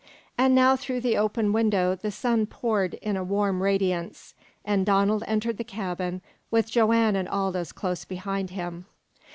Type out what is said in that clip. And now through the open window the sun poured in a warm radiance, and Donald entered the cabin, with Joanne and Aldous close behind him.